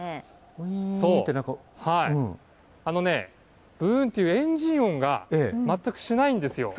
あのね、ぶーんっていうエンジン音が全くしないんですよ。